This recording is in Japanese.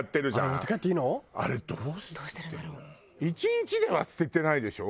１日では捨ててないでしょ？